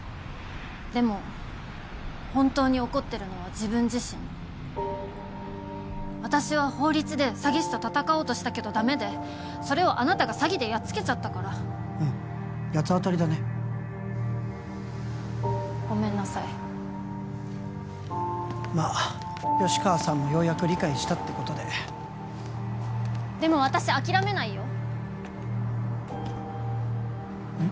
でも本当に怒ってるのは自分自身私は法律で詐欺師と戦おうとしたけどダメでそれをあなたが詐欺でやっつけちゃったからうん八つ当たりだねごめんなさいまあ吉川さんもようやく理解したってことででも私諦めないようん？